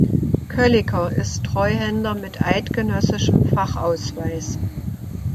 Kölliker ist Treuhänder mit eidgenössischem Fachausweis.